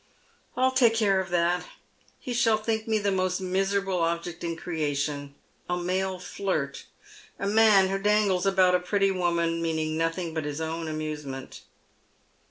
" I'll take care of that. He shall think me the most miserable object in creation — a male flirt — a man who dangles about a pretty woman meaning nothing but his own amusement.